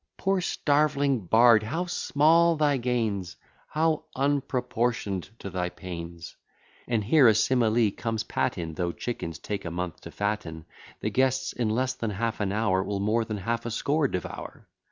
Poor starv'ling bard, how small thy gains! How unproportion'd to thy pains! And here a simile comes pat in: Though chickens take a month to fatten, The guests in less than half an hour Will more than half a score devour.